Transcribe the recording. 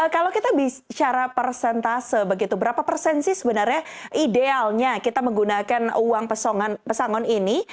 kalau kita bicara persentase begitu berapa persen sih sebenarnya idealnya kita menggunakan uang pesangon ini